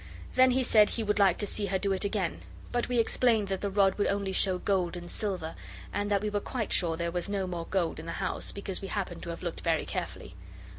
Then he said he would like to see her do it again. But we explained that the rod would only show gold and silver, and that we were quite sure there was no more gold in the house, because we happened to have looked very carefully.